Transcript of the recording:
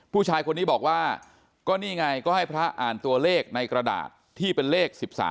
ผู้ชายคนนี้บอกว่าก็นี่ไงก็ให้พระอ่านตัวเลขในกระดาษที่เป็นเลข๑๓